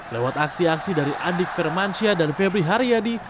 lewat aksi aksi dari adik firmansyah dan febri haryadi